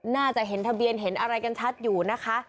น่าจะเห็นทะเบียนเห็นอะไรกันชัดอยู่นะคะ